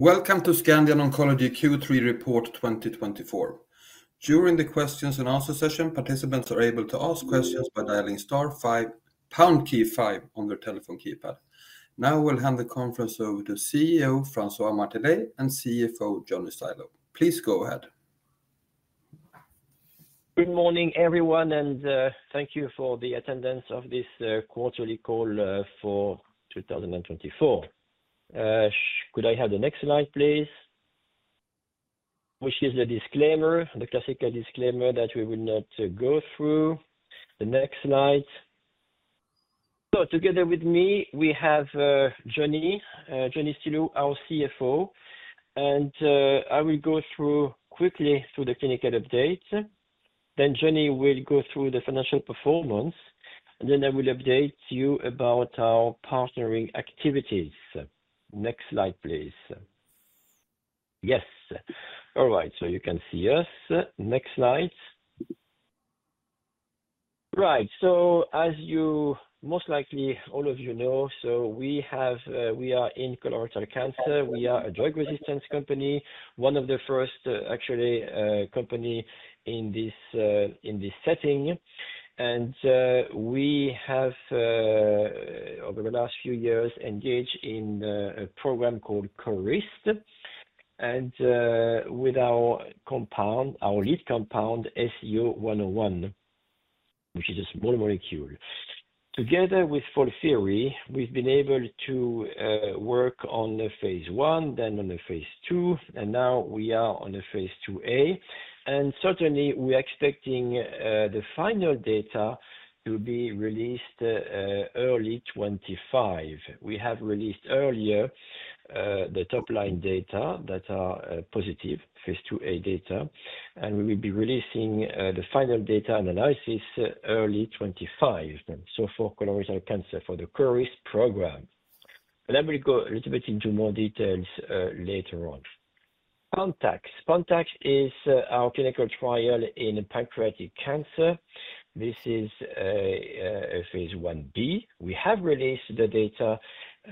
Welcome to Scandion Oncology Q3 report 2024. During the Q&A session, participants are able to ask questions by dialing star five, pound key five, on their telephone keypad. Now we'll hand the conference over to CEO François Martelet and CFO Johnny Stilou. Please go ahead. Good morning, everyone, and thank you for the attendance of this quarterly call for 2024. Could I have the next slide, please? Which is the disclaimer, the classical disclaimer that we will not go through. Next slide. So together with me, we have Johnny Stilou, our CFO, and I will go through quickly the clinical updates. Then Johnny will go through the financial performance, and then I will update you about our partnering activities. Next slide, please. Yes. All right, so you can see us. Next slide. Right, so as you most likely all of you know, so we are in colorectal cancer. We are a drug-resistance company, one of the first, actually, companies in this setting. And we have, over the last few years, engaged in a program called CORIST and with our lead compound, SCO-101, which is a small molecule. Together with FOLFIRI, we've been able to work on phase I, then on phase II, and now we are on phase II-A. Certainly, we are expecting the final data to be released early 2025. We have released earlier the top-line data that are positive, phase II-A data, and we will be releasing the final data analysis early 2025, so for colorectal cancer, for the CORIST program. I will go a little bit into more details later on. PANTAX. PANTAX is our clinical trial in pancreatic cancer. This is phase I-B. We have released the data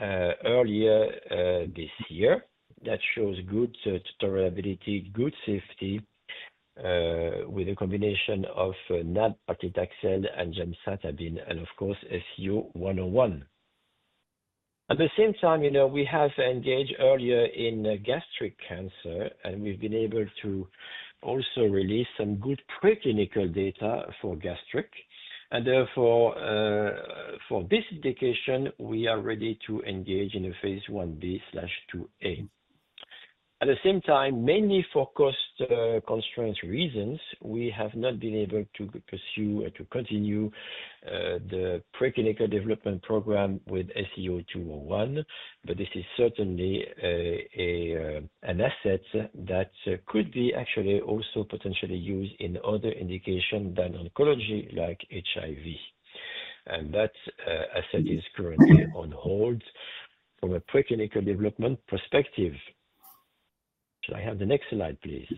earlier this year that shows good tolerability, good safety, with a combination of nab-paclitaxel, and gemcitabine, and of course, SCO-101. At the same time, we have engaged earlier in gastric cancer, and we've been able to also release some good preclinical data for gastric. Therefore, for this indication, we are ready to engage in a phase I-B/II-A. At the same time, mainly for cost constraint reasons, we have not been able to pursue and to continue the preclinical development program with SCO-201, but this is certainly an asset that could be actually also potentially used in other indications than oncology like HIV. That asset is currently on hold from a preclinical development perspective. Should I have the next slide, please?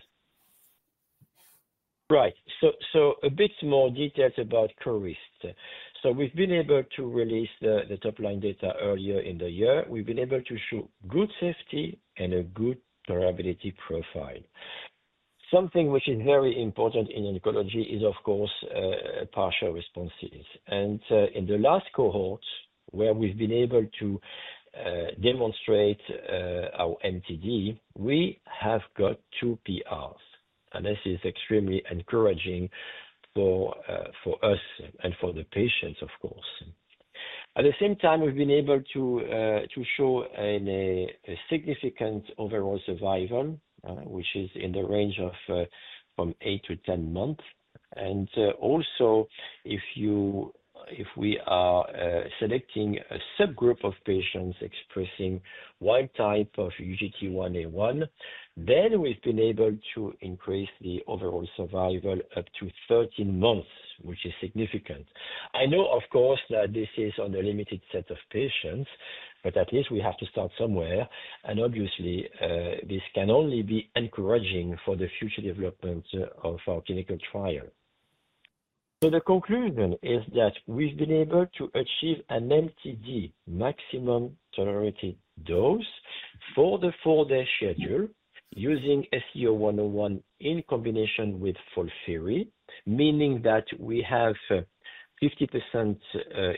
Right, a bit more details about CORIST. We've been able to release the top-line data earlier in the year. We've been able to show good safety and a good tolerability profile. Something which is very important in oncology is, of course, partial responses. In the last cohort, where we've been able to demonstrate our MTD, we have got two PRs. This is extremely encouraging for us and for the patients, of course. At the same time, we've been able to show a significant overall survival, which is in the range of from eight to 10 months. Also, if we are selecting a subgroup of patients expressing one type of UGT1A1, then we've been able to increase the overall survival up to 13 months, which is significant. I know, of course, that this is on a limited set of patients, but at least we have to start somewhere. Obviously, this can only be encouraging for the future development of our clinical trial. The conclusion is that we've been able to achieve an MTD, maximum tolerated dose, for the four-day schedule using SCO-101 in combination with FOLFIRI, meaning that we have 50%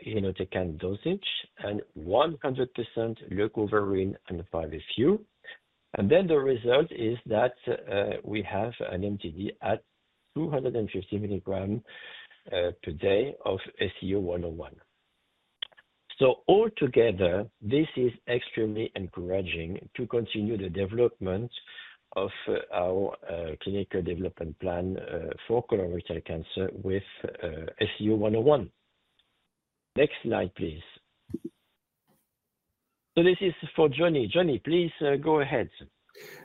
irinotecan dosage and 100% leucovorin and 5-FU. The result is that we have an MTD at 250 mg per day of SCO-101. Altogether, this is extremely encouraging to continue the development of our clinical development plan for colorectal cancer with SCO-101. Next slide, please. This is for Johnny. Johnny, please go ahead.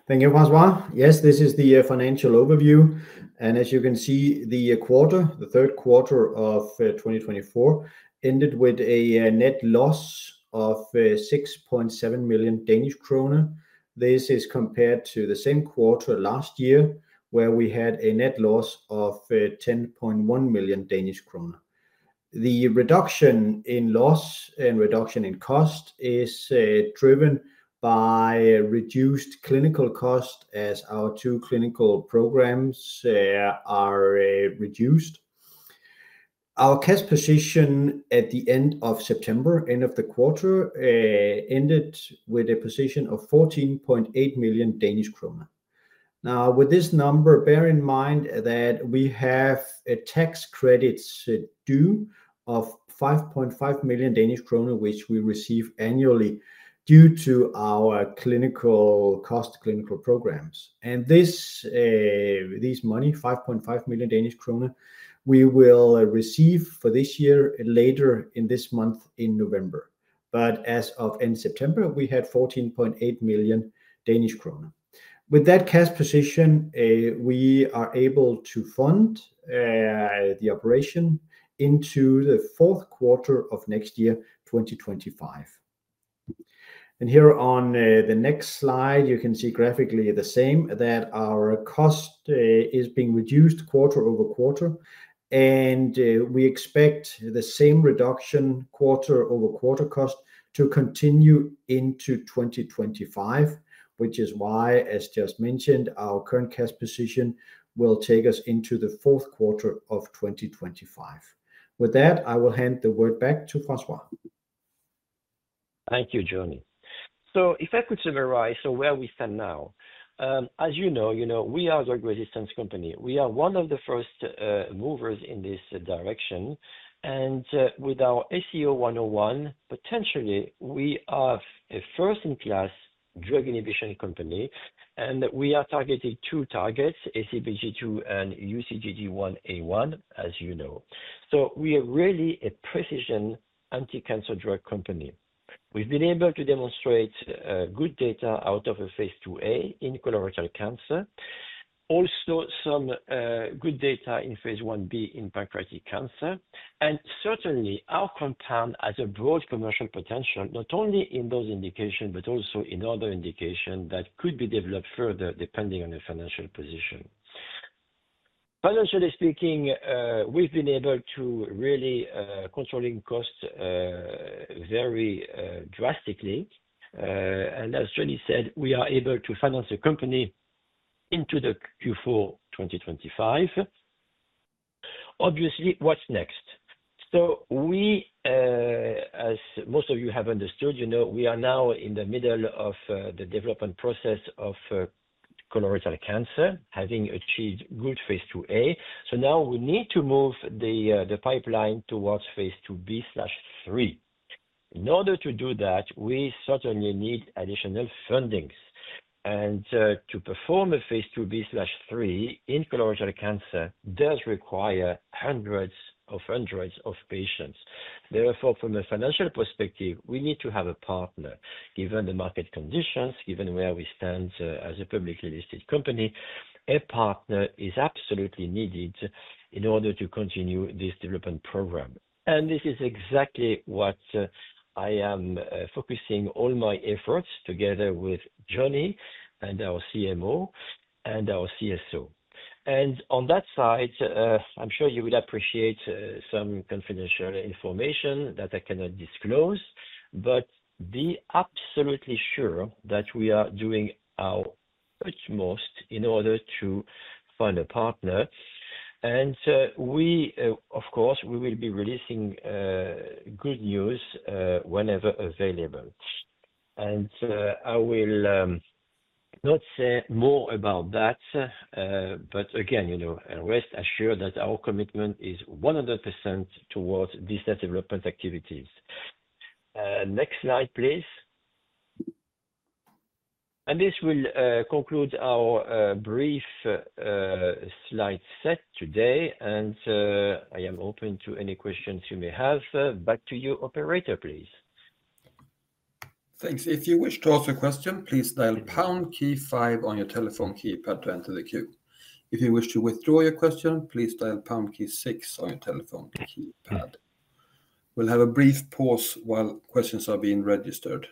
Thank you, François. Yes, this is the financial overview. And as you can see, the quarter, the third quarter of 2024, ended with a net loss of 6.7 million Danish krone. This is compared to the same quarter last year, where we had a net loss of 10.1 million Danish kroner. The reduction in loss and reduction in cost is driven by reduced clinical cost as our two clinical programs are reduced. Our cash position at the end of September, end of the quarter, ended with a position of 14.8 million Danish kroner. Now, with this number, bear in mind that we have a tax credit due of 5.5 million Danish kroner, which we receive annually due to our clinical cost clinical programs. And this money, 5.5 million Danish krone, we will receive for this year later in this month in November. But as of end September, we had 14.8 million Danish kroner. With that cash position, we are able to fund the operation into the fourth quarter of next year, 2025. And here on the next slide, you can see graphically the same that our cost is being reduced quarter-over-quarter. And we expect the same reduction, quarter-over-quarter cost, to continue into 2025, which is why, as just mentioned, our current cash position will take us into the fourth quarter of 2025. With that, I will hand the word back to François. Thank you, Johnny. So if I could summarize where we stand now, as you know, we are a drug-resistance company. We are one of the first movers in this direction. And with our SCO-101, potentially, we are a first-in-class drug inhibition company. And we are targeting two targets, ABCG2 and UGT1A1, as you know. So we are really a precision anti-cancer drug company. We've been able to demonstrate good data out of a phase II-A in colorectal cancer, also some good data in phase I-B in pancreatic cancer. And certainly, our compound has a broad commercial potential, not only in those indications, but also in other indications that could be developed further, depending on the financial position. Financially speaking, we've been able to really control costs very drastically. And as Johnny said, we are able to finance a company into the Q4 2025. Obviously, what's next? So we, as most of you have understood, we are now in the middle of the development process of colorectal cancer, having achieved good phase II-A. So now we need to move the pipeline towards phase II-B/III. In order to do that, we certainly need additional funding. And to perform a phase II-B/III in colorectal cancer does require hundreds of hundreds of patients. Therefore, from a financial perspective, we need to have a partner. Given the market conditions, given where we stand as a publicly listed company, a partner is absolutely needed in order to continue this development program. And this is exactly what I am focusing all my efforts together with Johnny and our CMO and our CSO. And on that side, I'm sure you will appreciate some confidential information that I cannot disclose, but be absolutely sure that we are doing our utmost in order to find a partner. And we, of course, we will be releasing good news whenever available. And I will not say more about that, but again, rest assured that our commitment is 100% towards these development activities. Next slide, please. And this will conclude our brief slide set today. And I am open to any questions you may have. Back to you, Operator, please. Thanks. If you wish to ask a question, please dial pound key five on your telephone keypad to enter the queue. If you wish to withdraw your question, please dial pound key six on your telephone keypad. We'll have a brief pause while questions are being registered.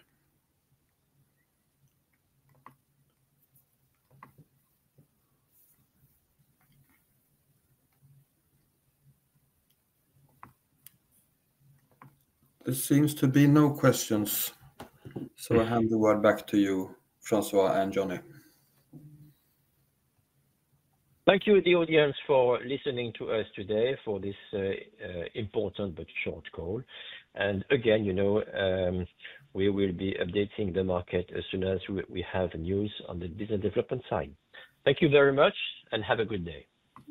There seems to be no questions. So I hand the word back to you, François and Johnny. Thank you to the audience for listening to us today for this important but short call, and again, we will be updating the market as soon as we have news on the business development side. Thank you very much and have a good day.